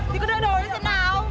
chị có đợi đổi thế nào